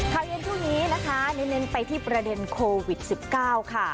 ข่าวเย็นช่วงนี้นะคะเน้นไปที่ประเด็นโควิด๑๙ค่ะ